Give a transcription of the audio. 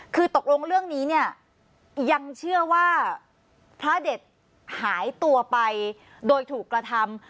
คือตกลงเรื่องนี้เนี่ยยังเชื่อว่าพระเด็ดหายตัวไปโดยถูกกระทำ